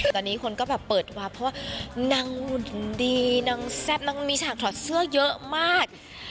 ตอนนี้คนก็แบบเปิดวาบเพราะว่านางหุ่นดีนางแซ่บนางมีฉากถอดเสื้อเยอะมาก